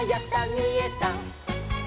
みえた！」